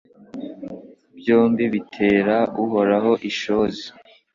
byombi bitera Uhoraho ishozi